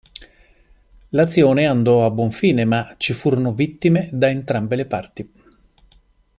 L'azione andò a buon fine, ma ci furono vittime da entrambe le parti.